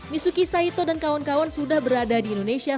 misuki saito dan kawan kawan sudah berada di indonesia